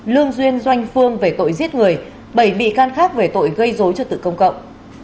lương duyên doanh phương về tội giết người bảy bị can khác về tội gây dối trật tự công cộng